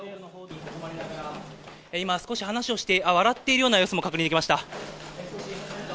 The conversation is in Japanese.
今、少し話をして、少し笑っているような様子も確認できました。